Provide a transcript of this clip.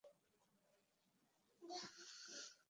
আর আমি ওকে সাহায্য করেছি।